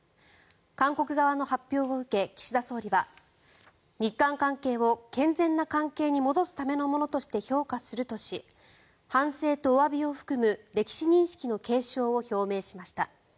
韓国側の発表を受け岸田総理は日韓関係を健全な関係に戻すためのものとして評価するとし反省とおわびを含む歴史認識の継承を表明しました。